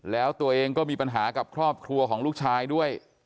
แล้วตัวเองก็มีปัญหากับครอบครัวของลูกชายด้วย